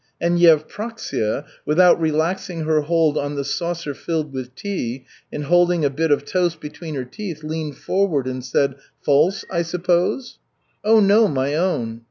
And Yevpraksia, without relaxing her hold on the saucer filled with tea and holding a bit of toast between her teeth, leaned forward and said, "False, I suppose?" "Oh, no, my own.